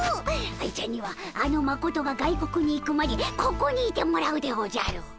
愛ちゃんにはあのマコトが外国に行くまでここにいてもらうでおじゃる。